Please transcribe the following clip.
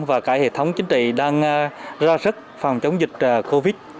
và cả hệ thống chính trị đang ra sức phòng chống dịch covid